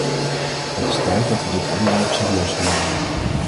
Het is tijd dat we dit onderwerp serieus gaan nemen.